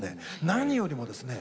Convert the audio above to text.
何よりもですね